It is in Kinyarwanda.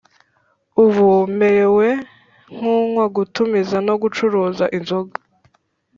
ubu bemerewe kunywa, gutumiza no gucuruza inzoga